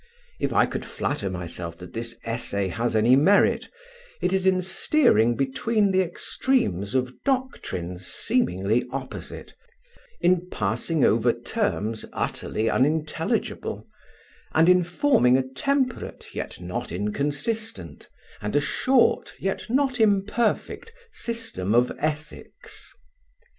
If I could flatter myself that this Essay has any merit, it is in steering betwixt the extremes of doctrines seemingly opposite, in passing over terms utterly unintelligible, and in forming a temperate yet not inconsistent, and a short yet not imperfect system of Ethics.